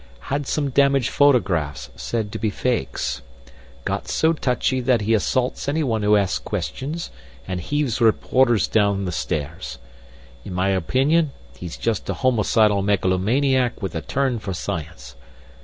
Had some damaged photographs, said to be fakes. Got so touchy that he assaults anyone who asks questions, and heaves reporters down the stairs. In my opinion he's just a homicidal megalomaniac with a turn for science.